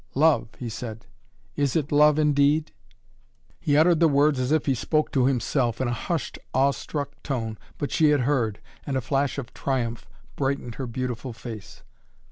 "Love!" he said. "Is it love indeed?" He uttered the words as if he spoke to himself, in a hushed, awe struck tone. But she had heard, and a flash of triumph brightened her beautiful face.